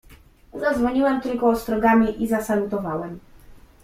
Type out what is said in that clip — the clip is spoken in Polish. "Zadzwoniłem tylko ostrogami i zasalutowałem."